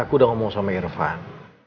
aku udah ngomong sama irfan